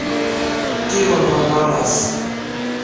Tio normalas.